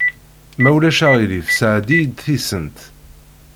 Ma ulac aɣilif sɛeddi-yi-d tisent.